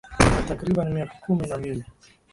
kwa takribani miaka kumi na mbili